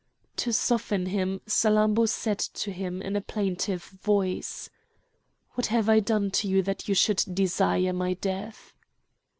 To soften him Salammbô said to him in a plaintive voice: "What have I done to you that you should desire my death?"